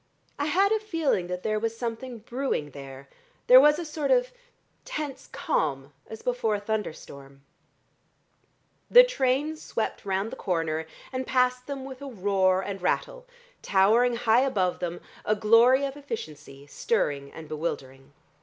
I had a feeling that there was something brewing there. There was a sort of tense calm, as before a thunderstorm " The train swept round the corner and passed them with a roar and rattle, towering high above them, a glory of efficiency, stirring and bewildering.